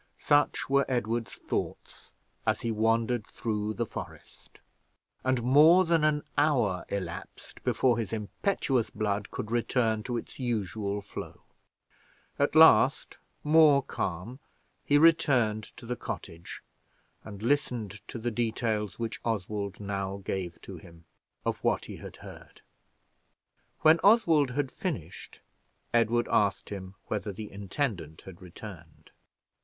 Such were Edward's thoughts as he wandered through the forest, and more than an hour elapsed before his impetuous blood could return to its usual flow; at last, his mind having partially resumed its wonted calmness, he returned to the cottage and listened to the details which Oswald now gave to him of what he had heard. When Oswald had finished, Edward asked him whether the intendant had returned.